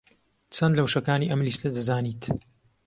چەند لە وشەکانی ئەم لیستە دەزانیت؟